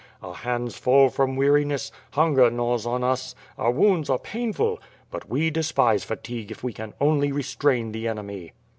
Our hands fall from weariness, hun ger gnaws us, om ounds are painful, — ^but we despise fatigue if we can only restrain the enemy.